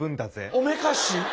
おめかし？